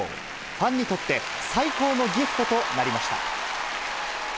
ファンにとって最高のギフトとなりました。